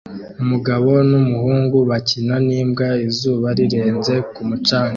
Umugabo n'umuhungu bakina n'imbwa izuba rirenze ku mucanga